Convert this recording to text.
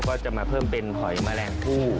ก็จะมาเพิ่มเป็นหอยแมลงผู้